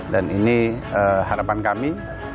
dan ini harapan kami